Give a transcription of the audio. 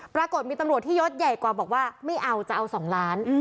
ปรากฏมีตำรวจที่ยศใหญ่กว่าบอกว่าไม่เอาจะเอา๒ล้าน